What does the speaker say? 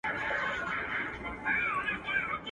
څوک چي حق وايي په دار دي څوک له ښاره وزي غلي.